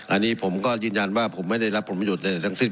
อันนี้ผมก็ยืนยันว่าผมไม่ได้รับผลประโยชน์ใดทั้งสิ้น